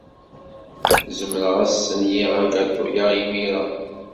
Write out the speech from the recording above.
Zemreɣ ad stenyiɣ agatu-a imir-a?